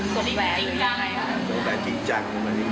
สดแบดจริงจัง